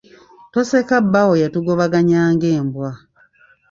Toseka bbaawo yatugobaganya ng'embwa.